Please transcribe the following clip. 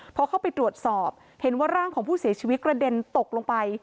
พอเข้าไปตรวจสอบเห็นว่าร่างของผู้เสียชีวิตกระเด็นตกลงไป